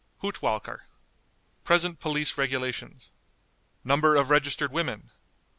Hudtwalcker. Present Police Regulations. Number of Registered Women.